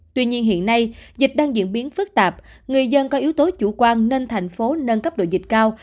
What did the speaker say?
tuy nhiên hiện nay dịch đang diễn biến phức tạp người dân có yếu tố chủ quan nên thành phố nâng cấp độ dịch cao